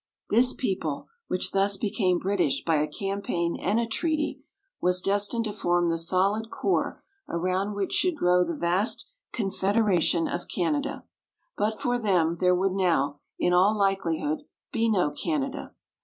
This people, which thus became British by a campaign and a treaty, was destined to form the solid core around which should grow the vast Confederation of Canada. But for them there would now, in all likelihood, be no Canada.